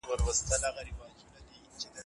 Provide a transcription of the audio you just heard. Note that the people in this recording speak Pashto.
هغه لور چې پلار ته یې زنګ واهه ډېره وږې وه.